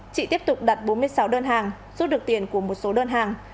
chị tiếp tục đặt bốn mươi sáu đơn hàng rút được tiền của một số đơn hàng